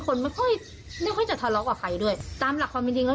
คนไม่ค่อยไม่ค่อยจะทะเลาะกับใครด้วยตามหลักความจริงจริงแล้ว